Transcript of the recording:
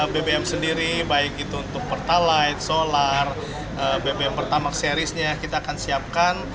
bbm sendiri baik itu untuk pertalite solar bbm pertamax seriesnya kita akan siapkan